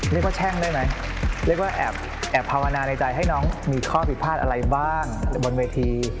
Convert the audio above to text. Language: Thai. แช่งได้ไหมเรียกว่าแอบภาวนาในใจให้น้องมีข้อผิดพลาดอะไรบ้างบนเวที